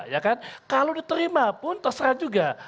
ya kan kalau diterima pun terserah juga